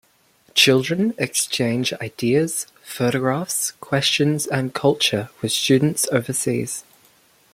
Children exchange ideas, photographs, questions and culture with students overseas.